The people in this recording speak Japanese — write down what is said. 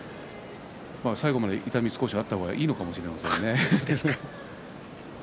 最後まで痛みは少しあった方がいいのかもしれませんね。